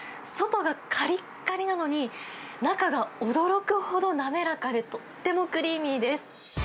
外がかりっかりなのに、中が驚くほど滑らかで、とってもクリーミーです。